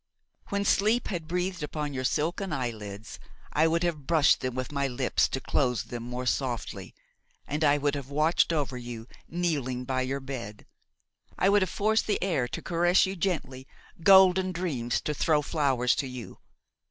When sleep had breathed upon your silken eyelids, I would have brushed them with my lips to close them more softly, and I would have watched over you, kneeling by your bed. I would have forced the air to caress you gently, golden dreams to throw flowers to you.